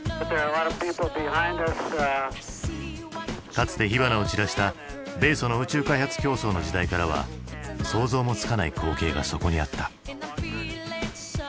かつて火花を散らした米ソの宇宙開発競争の時代からは想像もつかない光景がそこにあった。